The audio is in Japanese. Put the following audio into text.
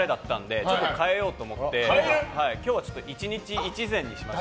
ちょっと変えようと思って今日は一日一善にしました。